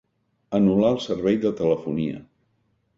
Anul·lar el servei de telefonia.